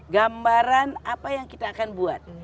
gambaran apa yang kita akan buat